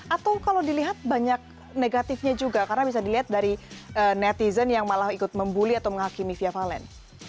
atau kalau dilihat banyak negatifnya juga karena bisa dilihat dari netizen yang malah ikut membuli atau menghakimi fia valen